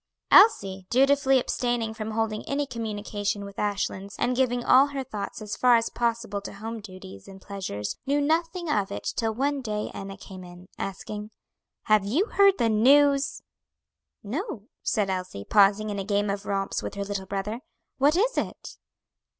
Elsie, dutifully abstaining from holding any communication with Ashlands, and giving all her thoughts as far as possible to home duties and pleasures knew nothing of it till one day Enna came in, asking, "Have you heard the news?" "No," said Elsie, pausing in a game of romps with her little brother; "what is it?"